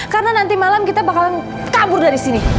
karena nanti malam kita bakalan kabur dari sini